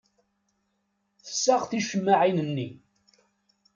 Tessaɣ ticemmaɛin-nni.